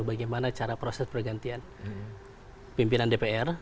bagaimana cara proses pergantian pimpinan dpr